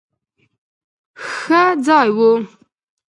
ښه ځای وو.